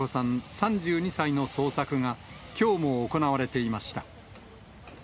３２歳の捜索がきょうも行われていました。